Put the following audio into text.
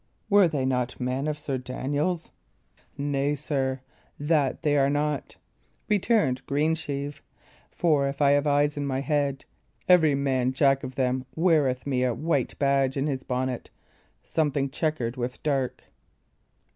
Were they not men of Sir Daniel's?" "Nay, sir, that they were not," returned Greensheve; "for if I have eyes in my head, every man Jack of them weareth me a white badge in his bonnet, something chequered with dark."